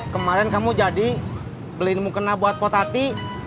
kemarin kamu jadi beliin mukena buat potati